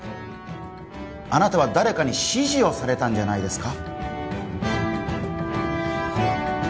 あなたは誰かに指示をされたんじゃないですか？